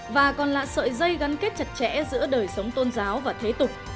và còn là sợi dây gắn kết chặt chẽ giữa đời sống tôn giáo và thế tục